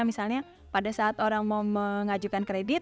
misalnya pada saat orang mau mengajukan kredit